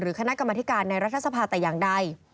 คณะกรรมธิการในรัฐสภาแต่อย่างใด